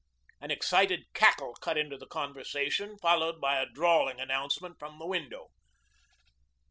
An excited cackle cut into the conversation, followed by a drawling announcement from the window.